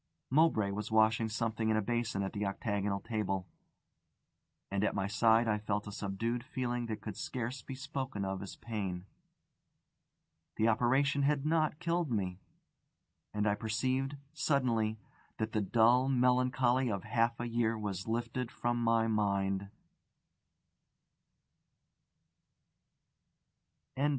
Mowbray was washing something in a basin at the octagonal table, and at my side I felt a subdued feeling that could scarce be spoken of as pain. The operation had not killed me. And I perceived, suddenly, that the dull melancholy of half a year was lifted from my mind.